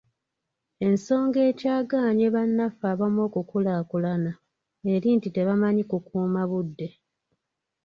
Ensonga ekyagaanyi bannaffe abamu okukulaakulana eri nti tebamanyi kukuuma budde.